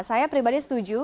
saya pribadi setuju